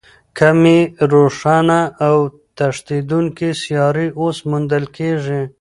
کمې روښانه او تښتېدونکې سیارې اوس موندل کېږي.